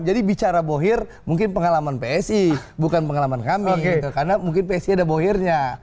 jadi bicara bohir mungkin pengalaman psi bukan pengalaman kami karena mungkin psi ada bohirnya